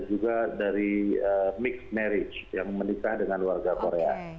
juga dari mixed marriage yang menikah dengan warga korea